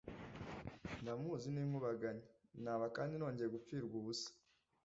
ndamuzi ni inkubaganyi. naba kandi nongeye gupfirwa ubusa